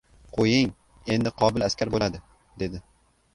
— Qo‘ying, endi qobil askar bo‘ladi, — dedi.